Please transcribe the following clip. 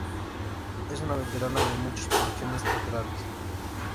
Es una veterana de muchas producciones teatrales.